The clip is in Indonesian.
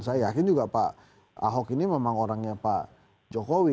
saya yakin juga pak ahok ini memang orangnya pak jokowi